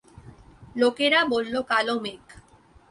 লোকেরা বলল কালো মেঘ।